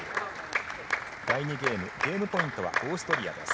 第２ゲーム、ゲームポイントはオーストリアです。